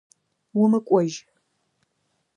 Умыкӏожь!